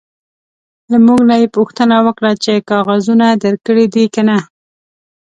له موږ نه یې پوښتنه وکړه چې کاغذونه درکړي دي که نه.